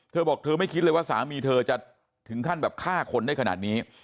เธอบอกเธอไม่คิดเลยว่าสามีเธอจะถึงขั้นแบบฆ่าคนได้ขนาดนี้